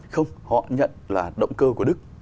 không họ nhận là động cơ của đức